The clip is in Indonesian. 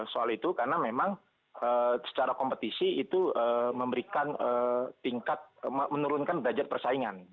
soal itu karena memang secara kompetisi itu memberikan tingkat menurunkan derajat persaingan